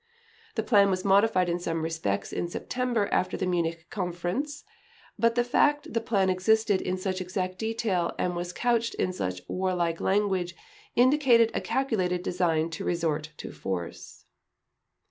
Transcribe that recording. The plan was modified in some respects in September after the Munich Conference, but the fact the plan existed in such exact detail and was couched in such war like language indicated a calculated design to resort to force.